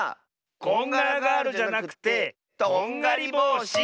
こんがらガールじゃなくてどんがりぼうし！